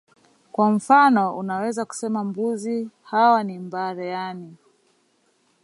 Kwa mfano unaweza kusema mbuzi hawa ni mbare ani